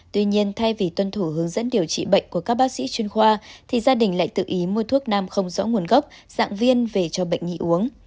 tuy nhiên thay vì tuân thủ hướng dẫn điều trị bệnh của các bác sĩ chuyên khoa thì gia đình lại tự ý mua thuốc nam không rõ nguồn gốc dạng viên về cho bệnh nhị uống